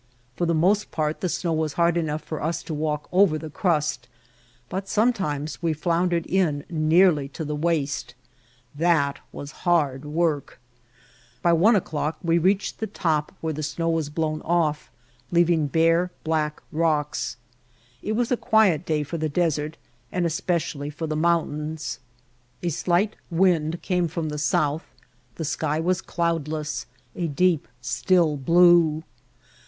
For the most part the snow was hard enough for us to walk over the crust, but sometimes we floundered in nearly to the waist. That was hard work. By [.88] The High White Peaks one o'clock we reached the top where the snow was blown off, leaving bare black rocks. It was a quiet day for the desert and especially for the mountains. A slight wind came from the south ; the sky was cloudless, a deep, still blue.